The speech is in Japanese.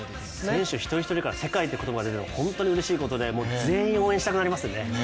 選手一人一人から世界という言葉が出てくるのは本当にうれしいことで、全員応援したくなりますよね。